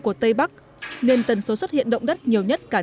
của tây bắc nên tần số xuất hiện động đất nhiều nhất cả nước